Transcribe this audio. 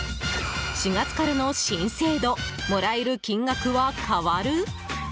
４月からの新制度もらえる金額は変わる？